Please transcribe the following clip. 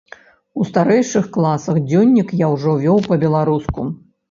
У старэйшых класах дзённік я ўжо вёў па-беларуску.